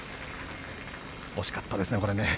惜しかったですね、これ。